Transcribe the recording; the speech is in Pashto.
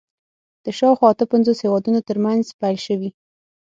د شاوخوا اته پنځوس هېوادونو تر منځ پیل شوي